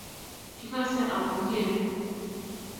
Kigasee ama kigerei